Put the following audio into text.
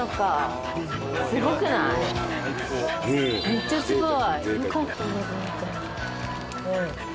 めっちゃすごい。